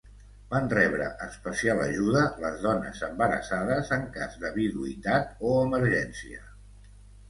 Van rebre especial ajuda les dones embarassades en cas de viduïtat o emergència.